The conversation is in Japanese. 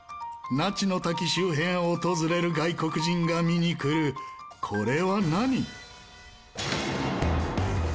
那智の滝周辺を訪れる外国人が見に来るもの。